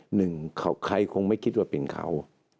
หนึ่งใครคงไม่คิดว่าเป็นเขา